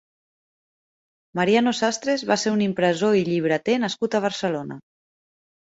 Mariano Sastres va ser un impressor i llibreter nascut a Barcelona.